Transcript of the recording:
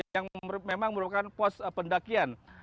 yang memang merupakan pos pendakian